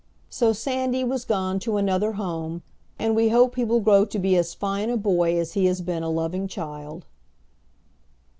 So Sandy was gone to another home, and we hope he will grow to be as fine a boy as he has been a loving child.